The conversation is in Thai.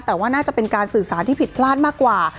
แต่ว่าน่าจะเป็นการสื่อสารที่ผิดพลาดมากกว่า